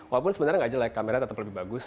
walaupun sebenarnya nggak jelek kamera tetap lebih bagus